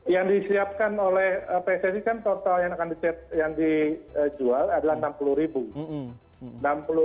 yang disiapkan oleh pssi kan total yang dijual adalah enam puluh ribu